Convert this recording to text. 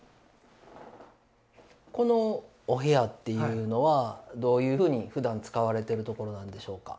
このお部屋っていうのはどういうふうに普段使われてるところなんでしょうか？